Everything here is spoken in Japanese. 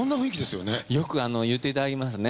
よくあの言っていただきますね。